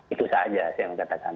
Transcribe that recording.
itu saja saya katakan